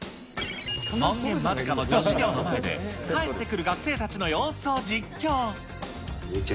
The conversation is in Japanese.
門限間近の女子寮の前で、帰ってくる学生たちの様子を実況。